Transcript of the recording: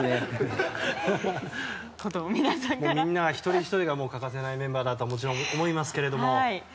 みんな一人ひとりが欠かせないメンバーだと思いますけれども。